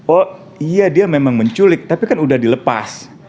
oh iya dia memang menculik tapi kan udah dilepas